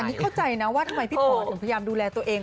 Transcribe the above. นี่เข้าใจนะว่าทำไมพี่ปอถึงพยายามดูแลตัวเอง